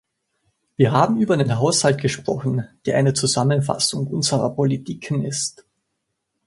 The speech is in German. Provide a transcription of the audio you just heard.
Wir haben über den Haushalt gesprochen, der eine Zusammenfassung unserer Politiken ist.